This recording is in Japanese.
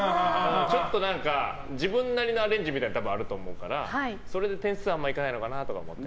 ちょっと、自分なりのアレンジみたいなのあると思うからそれで点数があまりいかないのかなと思った。